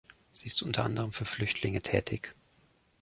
Sie ist unter anderem für Flüchtlinge tätig.